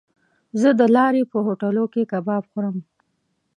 زه د لارې په هوټلو کې کباب خورم.